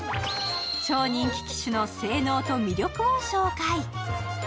超人気機種の性能と魅力を紹介。